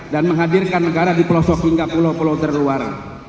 dan menghadirkan negara di pelosok hingga pulau pulau terluar